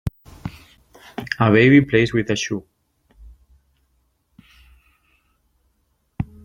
A baby plays with a shoe.